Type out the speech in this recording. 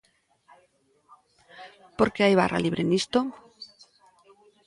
Por que hai barra libre nisto?